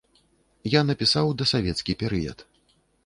Я напісаў дасавецкі перыяд.